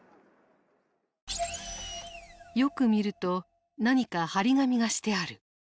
よく見ると何か貼り紙がしてある。